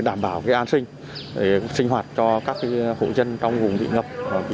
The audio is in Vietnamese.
đảm bảo an sinh sinh hoạt cho các hộ dân trong vùng bị ngập